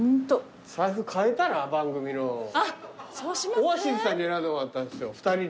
オアシズさんに選んでもらったんですよ２人に。